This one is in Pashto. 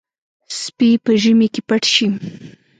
سپي په ژمي کې پټ شي.